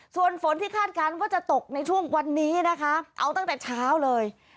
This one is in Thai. ส่วนฝนที่คาดการณ์ว่าจะตกในช่วงวันนี้นะคะเอาตั้งแต่เช้าเลย